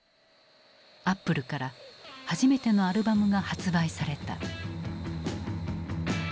アップルから初めてのアルバムが発売された。